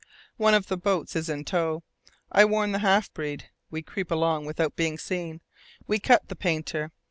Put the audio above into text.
One of the boats is in tow. I warn the half breed. We creep along without being seen. We cut the painter.